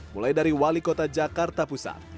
mulai dari wali kota jakarta pusat